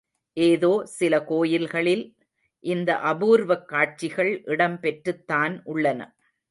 ஏதோ சில கோயில்களில் இந்த அபூர்வக் காட்சிகள் இடம் பெற்றுத்தான் உள்ளன.